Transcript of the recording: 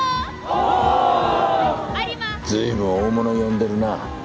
随分大物を呼んでるな。